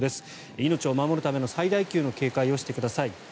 命を守るための最大級の警戒をしてください。